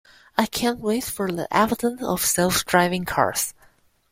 I can't wait for the advent of self driving cars.